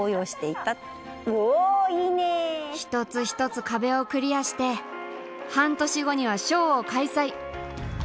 １つ１つ壁をクリアして半年後にはショーを開催！